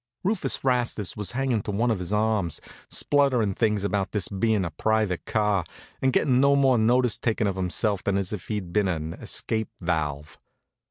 Rufus Rastus was hangin' to one of his arms, splutterin' things about this being a private car, and gettin' no more notice taken of himself than as if he'd been an escape valve.